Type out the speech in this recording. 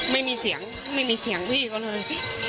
ไม่มีเสียงพี่ก็เลย